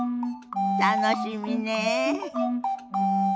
楽しみねえ。